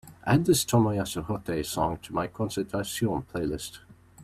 Add this tomoyasu hotei song to my concentración playlist